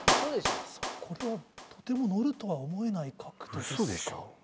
これはとても載るとは思えない角度ですが。